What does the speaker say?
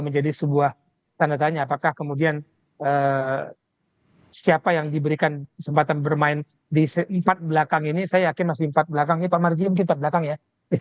menjadi sebuah tanda tanya apakah kemudian siapa yang diberikan kesempatan bermain di empat belakang ini saya yakin masih empat belakang ini pak marji mungkin terbelakang ya